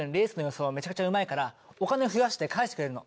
めちゃくちゃうまいからお金増やして返してくれるの。